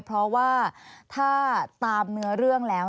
เพราะว่าถ้าตามเนื้อเรื่องแล้ว